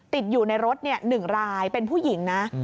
ติดอยู่ในรถ๑รายเป็นผู้หญิงนะ